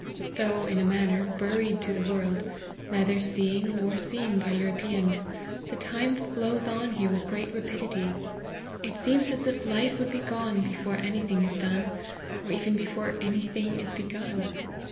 Though, in a manner, buried to the world, neither seeing nor seen by Europe ans, the time flows on here with great rapidity : it seems as if life would be gone before any thing is done, or even before any thing is begun.